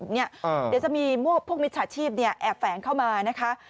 เดี๋ยวจะมีพวกมิจฉาชีพแอบแฝงเข้ามานะคะ